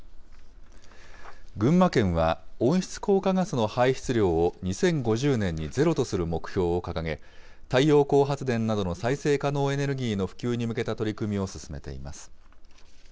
群馬県は、温室効果ガスの排出量を２０５０年にゼロとする目標を掲げ、太陽光発電などの再生可能エネルギーの普及に向けた取り組みを進めています。